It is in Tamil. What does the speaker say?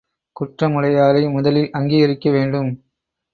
குற்றமுடையாரை முதலில் அங்கீகரிக்க வேண்டும்.